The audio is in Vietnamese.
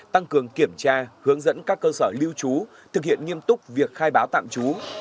tăng cường kiểm tra hướng dẫn các cơ sở lưu trú thực hiện nghiêm túc việc khai báo tạm trú